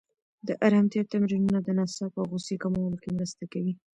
د ارامتیا تمرینونه د ناڅاپه غوسې کمولو کې مرسته کوي.